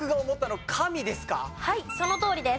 はいそのとおりです。